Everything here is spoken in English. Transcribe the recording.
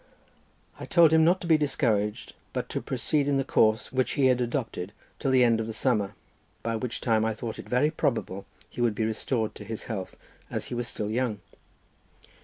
I told him not to be discouraged, but to proceed in the course which he had adopted till the end of the summer, by which time I thought it very probable that he would be restored to his health, as he was still young.